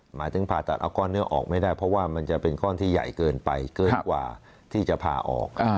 หมายถึงผ่าตัดเอาก้อนเนื้อออกไม่ได้เพราะว่ามันจะเป็นก้อนที่ใหญ่เกินไปเกินกว่าที่จะพาออก